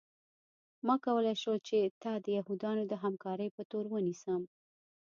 ما کولی شول چې تا د یهودانو د همکارۍ په تور ونیسم